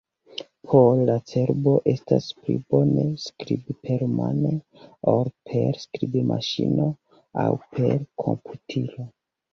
Por la cerbo, estas pli bone skribi permane ol per skribmaŝino aŭ per komputilo.